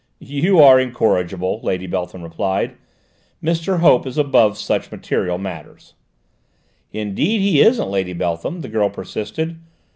"You are incorrigible," Lady Beltham replied. "Mr. Hope is above such material matters." "Indeed he isn't, Lady Beltham," the girl persisted.